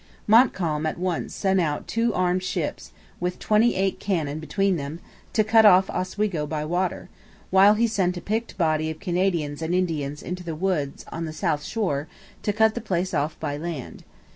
Montcalm at once sent out two armed ships, with twenty eight cannon between them, to cut off Oswego by water, while he sent a picked body of Canadians and Indians into the woods on the south shore to cut the place off by land.